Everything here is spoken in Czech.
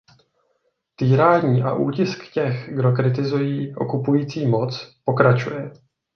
Týrání a útisk těch, kdo kritizují okupující moc, pokračuje.